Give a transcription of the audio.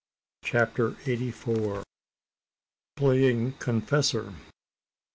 CHAPTER EIGHTY FOUR. PLAYING CONFESSOR.